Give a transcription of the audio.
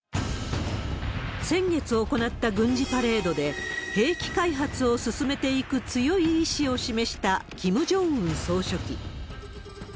先月行った軍事パレードで、兵器開発を進めていく強い意志を示したキム・ジョンウン総書記。